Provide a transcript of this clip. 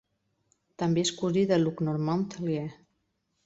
També és cosí de Luc-Normand Tellier.